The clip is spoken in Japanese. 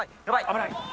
危ない！